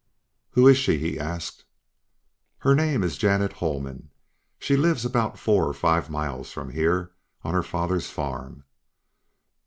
"Who is she?" He asked. "Her name is Janet Holman. She lives about four or five miles from here, on her father's farm."